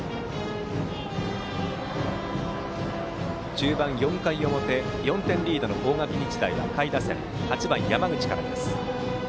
中盤、４回の表４点リードの大垣日大は下位打線８番、山口からです。